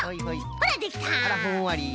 あらふんわり。